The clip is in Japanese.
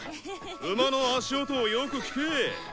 馬の足音をよく聴け！